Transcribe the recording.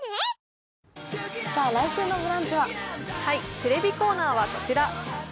テレビコーナーはこちら。